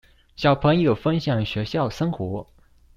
小朋友分享學校生活